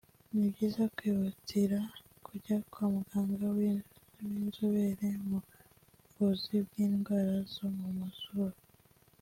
ni byiza kwihutira kujya kwa muganga w’inzobere mu buvuzi bw’indwara zo mu mazuru